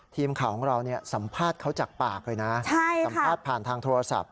ทีมข่าวของเราสัมภาษณ์เขาจากปากเลยนะสัมภาษณ์ผ่านทางโทรศัพท์